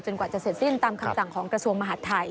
กว่าจะเสร็จสิ้นตามคำสั่งของกระทรวงมหาดไทย